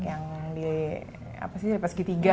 yang di apa sih di persegi tiga